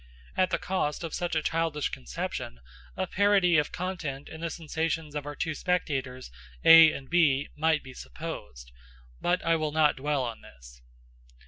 At the cost of such a childish conception, a parity of content in the sensations of our two spectators A and B might be supposed. But I will not dwell on this.